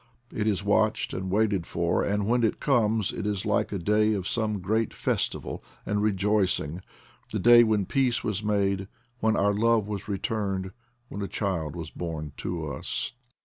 It is watched and waited 52 IDLE DATS IN PATAGONIA for, and when it comes is like a day of some great festival and rejoicing — the day when peace was made, when our love was returned, when a child was born to us.